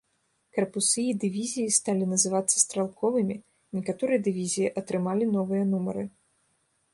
Карпусы і дывізіі сталі называцца стралковымі, некаторыя дывізіі атрымалі новыя нумары.